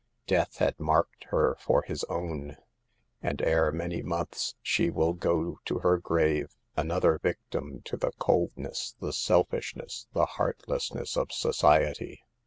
Death had marked her for his own ; and ere many months she will go to her grave, another victim to the coldness, the selfishness, the heartlessness of society.